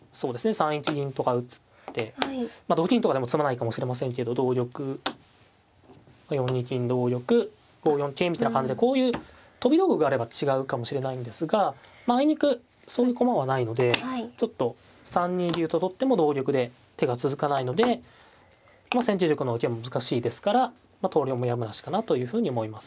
３一銀とか打ってまあ同金とかでも詰まないかもしれませんけど同玉４二金同玉５四桂みたいな感じでこういう飛び道具があれば違うかもしれないんですがあいにくそういう駒はないのでちょっと３二竜と取っても同玉で手が続かないので先手玉の受け難しいですから投了もやむなしかなというふうに思います。